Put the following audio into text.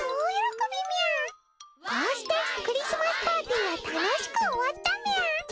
こうしてクリスマスパーティーは楽しく終わったみゃ。